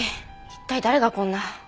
一体誰がこんな？